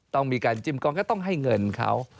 ต้องมีการจิ้มกองก็ต้องให้เงินเขา